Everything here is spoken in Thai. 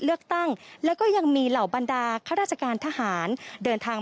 เลือกตั้งแล้วก็ยังมีเหล่าบรรดาข้าราชการทหารเดินทาง